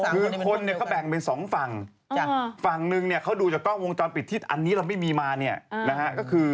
คือคนเนี่ยเขาแบ่งเป็นสองฝั่งฝั่งนึงเนี่ยเขาดูจากกล้องวงจรปิดที่อันนี้เราไม่มีมาเนี่ยนะฮะก็คือ